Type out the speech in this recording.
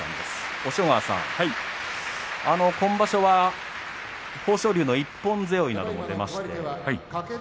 押尾川さん、今場所は豊昇龍の一本背負いも出ました。